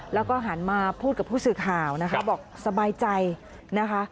แล้วก็หันมาพูดกับผู้สื่อข่าวนะคะบอกสบายใจนะคะ